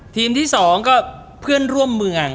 ที่๒ก็เพื่อนร่วมเมือง